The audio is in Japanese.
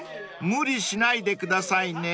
無理しないでくださいね］